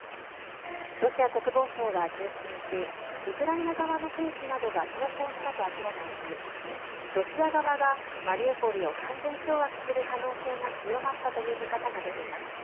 ロシア国防省は１７日ウクライナ側の兵士などが投降したと明らかにしロシア側がマリウポリを完全掌握する可能性が強まったという見方が出ています。